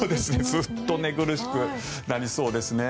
ずっと寝苦しくなりそうですね。